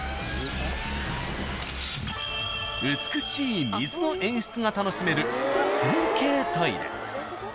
［美しい水の演出が楽しめる水景トイレ］